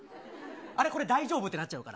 あれ、これ、大丈夫ってなっちゃうから。